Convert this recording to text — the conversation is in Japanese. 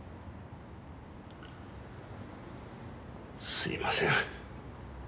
すいません。